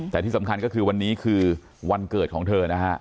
แต่ที่สำคัญก็คือวันนี้คือวันเกิดของเธอนะฮะ